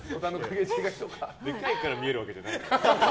でかいから見えるわけじゃないから。